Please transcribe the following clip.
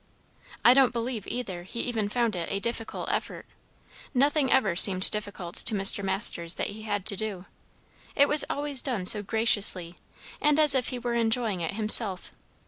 I don't believe, either, he even found it a difficult effort; nothing ever seemed difficult to Mr. Masters that he had to do; it was always done so graciously, and as if he were enjoying it himself.